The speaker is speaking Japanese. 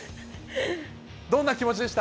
どんな気持ちでした？